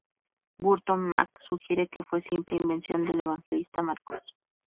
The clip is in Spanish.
Burton Mack sugiere que fue simple invención del evangelista Marcos.